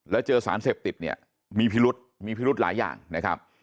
แล้วเจอสารเสพติดเนี่ยมีพิรุษมีพิรุธหลายอย่างนะครับ